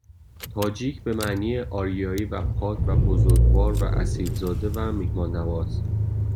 تاجیک به معنی آریایی و پاک و بزرگوار و اصیلزاده و میهماننواز